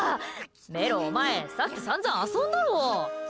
メロ、お前さっき散々遊んだろ！